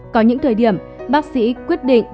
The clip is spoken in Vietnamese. có những thời điểm bác sĩ quyết định chuyển